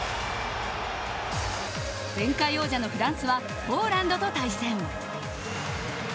前回王者のフランスはポーランドと対戦。